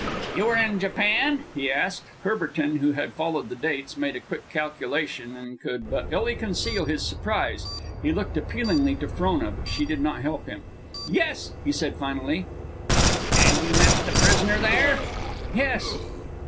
"You were in Japan?" he asked. Courbertin, who had followed the dates, made a quick calculation, and could but illy conceal his surprise. He looked appealingly to Frona, but she did not help him. "Yes," he said, finally. "And you met the prisoner there?" "Yes."